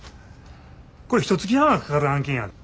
これひとつき半はかかる案件やで。